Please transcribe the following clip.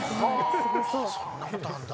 そんなことあんだ。